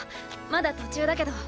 まだ途中だけど。